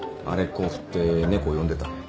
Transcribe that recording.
あれこう振って猫呼んでた。